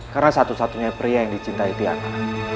karena satu satunya pria yang dicintai tiana